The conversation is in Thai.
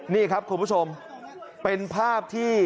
นี่ครับคุณผู้ชมเป็นภาพที่